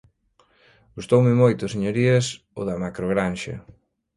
Gustoume moito, señorías, o da macrogranxa.